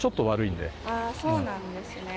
ああそうなんですね。